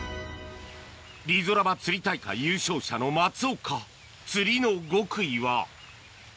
リゾラバ釣り大会優勝者の松岡釣りの極意は？